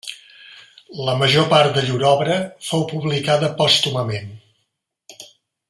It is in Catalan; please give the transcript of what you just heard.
La major part de llur obra fou publicada pòstumament.